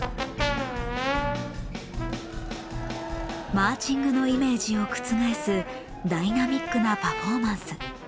マーチングのイメージを覆すダイナミックなパフォーマンス。